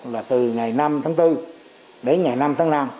là từ ngày năm tháng bốn đến ngày năm tháng năm